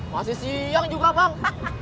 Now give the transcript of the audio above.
masih siang juga bang